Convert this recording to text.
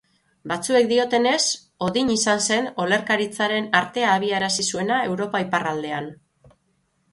Batzuek diotenez, Odin izan zen olerkaritzaren artea abiarazi zuena Europa Iparraldean.